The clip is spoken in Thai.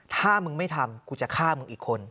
ถ้ามึงไม่ทำกูจะฆ่ามึงอีกคน